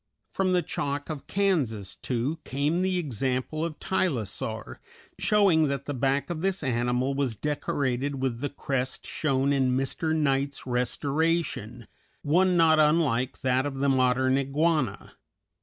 From the Chalk of Kansas, too, came the example of Tylosaur, showing that the back of this animal was decorated with the crest shown in Mr. Knight's restoration, one not unlike that of the modern iguana.